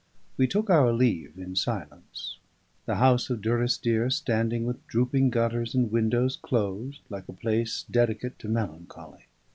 We took our leave in silence: the house of Durrisdeer standing with drooping gutters and windows closed, like a place dedicate to melancholy.